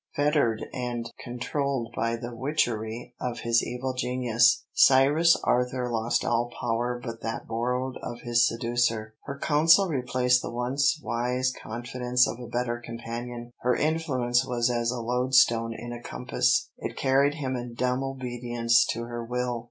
Fettered and controlled by the witchery of his evil genius, Cyrus Arthur lost all power but that borrowed of his seducer. Her counsel replaced the once wise confidence of a better companion. Her influence was as a loadstone in a compass, it carried him in dumb obedience to her will.